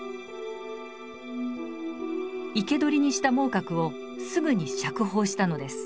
生け捕りにした孟獲をすぐに釈放したのです。